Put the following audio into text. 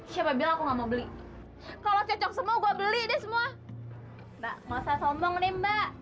sendiri kamu sama siapa